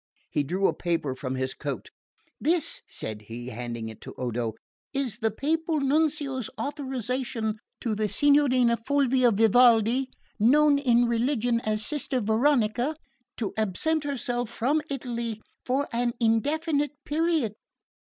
He drew a paper from his coat. "This," said he, handing it to Odo, "is the Papal Nuncio's authorisation to the Signorina Fulvia Vivaldi, known in religion as Sister Veronica, to absent herself from Italy for an indefinite period.